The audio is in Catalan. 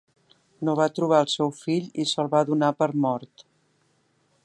No va trobar el seu fill i se'l va donar per mort.